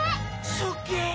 すっげえ！